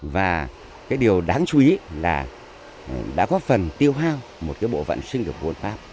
và cái điều đáng chú ý là đã góp phần tiêu hao một cái bộ phận sinh dục quân pháp